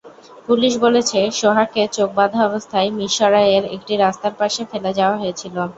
Police বলেছে, সোহাগকে চোখ বাঁধা অবস্থায় মিরসরাইয়ের একটি রাস্তার পাশে ফেলে যাওয়া হয়েছিল।